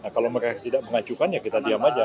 kalau mereka tidak mengajukan ya kita diam aja